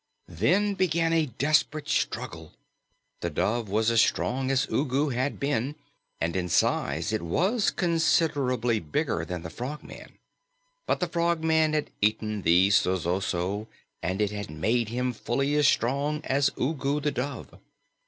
Then began a desperate struggle. The dove was as strong as Ugu had been, and in size it was considerably bigger than the Frogman. But the Frogman had eaten the zosozo, and it had made him fully as strong as Ugu the Dove.